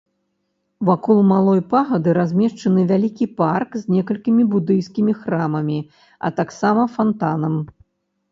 Вакол малой пагады размешчаны вялікі парк з некалькімі будыйскімі храмамі, а таксама фантанам.